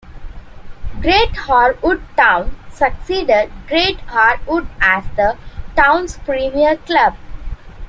Great Harwood Town succeeded Great Harwood as the town's premier club.